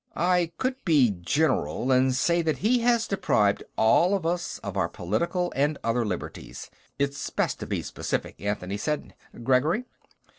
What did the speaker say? "I could be general, and say that he has deprived all of us of our political and other liberties. It is best to be specific," Anthony said. "Gregory?"